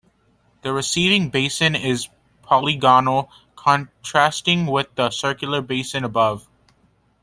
The receiving basin is polygonal, contrasting with the circular basins above.